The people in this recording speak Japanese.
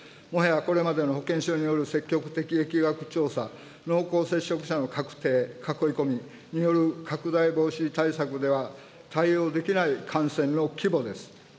もはやこれまでの保健所による積極的疫学調査、濃厚接触者の確定、囲い込みによる拡大防止対策では対応できない感染の規模です。